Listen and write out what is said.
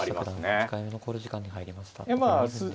森下九段８回目の考慮時間に入りました。